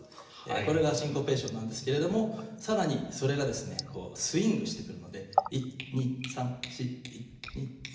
これがシンコペーションなんですけれどもさらにそれがですねスウィングしてくるので１２３４１２３４。